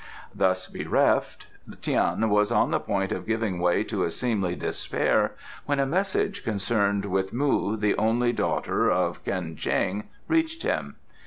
Thus bereft, Tian was on the point of giving way to a seemly despair when a message concerned with Mu, the only daughter of Ko'en Cheng, reached him.